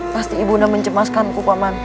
pasti ibunda mencemaskan ku paman